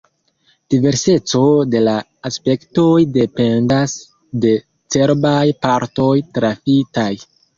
Diverseco de la aspektoj dependas de cerbaj partoj trafitaj.